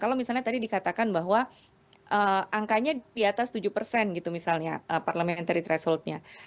kalau misalnya tadi dikatakan bahwa angkanya di atas tujuh persen gitu misalnya parliamentary thresholdnya